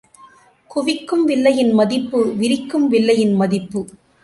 குவிக்கும் வில்லையின் மதிப்பு விரிக்கும் வில்லையின் மதிப்பு.